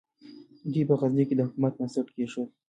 دوی په غزني کې د حکومت بنسټ کېښود.